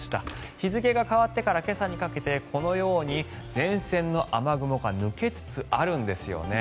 日付が変わってから今朝にかけてこのように前線の雨雲が抜けつつあるんですよね。